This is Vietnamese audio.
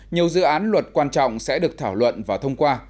nhiều dự án luật quan trọng sẽ được thảo luận và thông qua